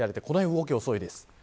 動きが遅いです。